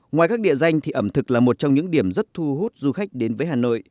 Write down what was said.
ngoài các địa danh thì ẩm thực là một trong những điểm rất thu hút du khách đến với hà nội